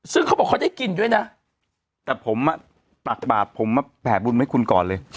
ซึ่งเขาบอกเขาได้กินด้วยนะแต่ผมตักบาทผมมาแผ่บุญให้คุณก่อนเลย